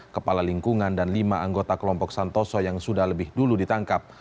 kepala lingkungan dan lima anggota kelompok santoso yang sudah lebih dulu ditangkap